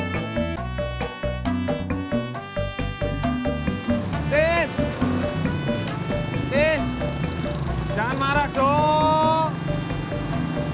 jangan marah dong